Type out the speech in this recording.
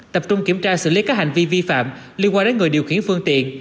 tập trung kiểm tra xử lý các hành vi vi phạm liên quan đến người điều khiển phương tiện